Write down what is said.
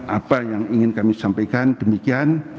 apa yang ingin kami sampaikan demikian